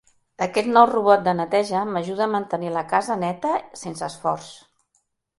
Aquest nou robot de neteja m'ajuda a mantenir la casa neta sense esforç.